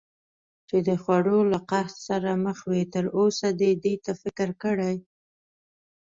چې د خوړو له قحط سره مخ وي، تراوسه دې دې ته فکر کړی؟